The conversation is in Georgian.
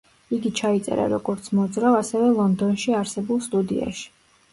იგი ჩაიწერა როგორც მოძრავ, ასევე ლონდონში არსებულ სტუდიაში.